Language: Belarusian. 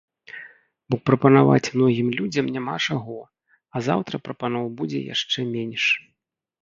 Бо прапанаваць многім людзям няма чаго, а заўтра прапаноў будзе яшчэ менш.